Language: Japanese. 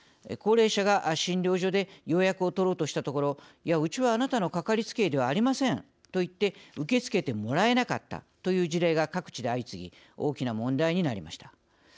高齢者が、診療所で予約を取ろうとしたところ「うちは、あなたのかかりつけ医ではありません」と言って受け付けてもらえなかったという事例が各地で相次ぎ大きな問題になりました。